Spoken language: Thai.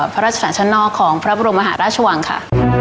พระราชสารชั้นนอกของพระบรมมหาราชวังค่ะ